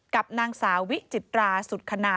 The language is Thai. กับนางสาววิจิตราสุดคณา